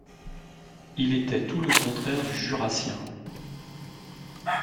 Il était tout le contraire du Jurassien.